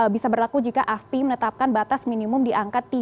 bisa berlaku jika afpi menetapkan batas minimum di angka tiga